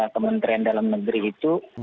kementerian dalam negeri itu